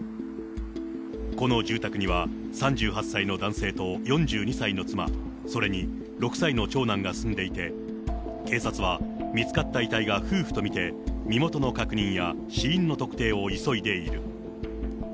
この住宅には３８歳の男性と４２歳の妻、それに６歳の長男が住んでいて、警察は見つかった遺体が夫婦と見て、身元の確認や死因の特定を急いでいる。